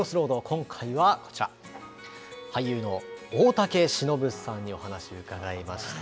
今回はこちら、俳優の大竹しのぶさんにお話伺いました。